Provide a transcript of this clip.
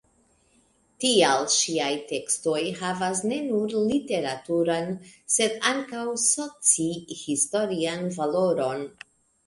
Tial ŝiaj tekstoj havas ne nur literaturan sed ankaŭ soci-historian valoron.